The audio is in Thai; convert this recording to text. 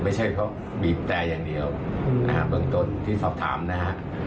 ไม่ใช่เพราะบีบแต่อย่างเดียวนะฮะเบื้องต้นที่สอบถามนะฮะ